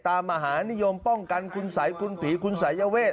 ตามมหานิยมป้องกันคุณสัยคุณผีคุณสายเวท